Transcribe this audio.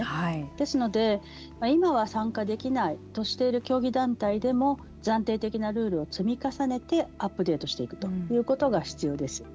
ですので、今は参加できないとしている競技団体でも暫定的なルールを積み重ねてアップデートしていくということが必要です。